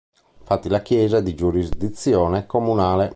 Infatti la chiesa è di giurisdizione comunale.